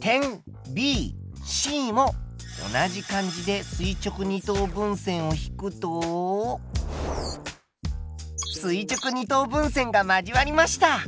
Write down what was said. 点ＢＣも同じ感じで垂直二等分線を引くと垂直二等分線が交わりました。